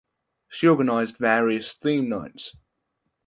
She organized various theme nights.